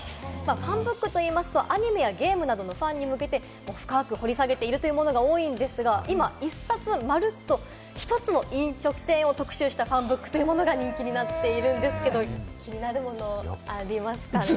ファンブックといいますと、アニメやゲームなどのファンに向けて深く掘り下げているというものが多いんですが、今１冊まるっと、１つの飲食チェーンを特集したファンブックというものが人気になっているんですけど、気になるもの、ありますかね？